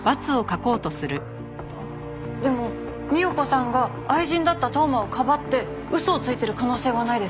あっでも三代子さんが愛人だった当麻をかばって嘘をついてる可能性はないですか？